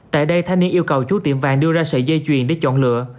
tại đây thanh niên yêu cầu chú tiệm vàng đưa ra sợi dây chuyền để chọn lựa